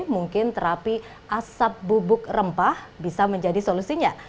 mungkin terapi asap bubuk rempah bisa menjadi solusinya